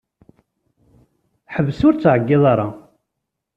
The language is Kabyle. Ḥbes ur ttɛeyyiḍ ara!